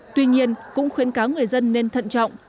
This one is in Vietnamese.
tuy nhiên cũng khuyến cáo người dân nên thận trọng